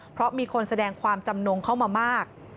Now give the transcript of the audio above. เพราะมีคนแสดงความจำนงเข้ามามาก